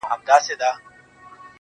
ماجبیني د مهدي حسن آهنګ یم